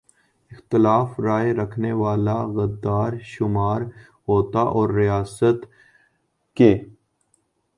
اختلاف رائے رکھنے والا غدار شمار ہوتا اور ریاست کے